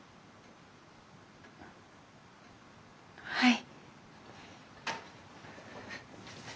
はい。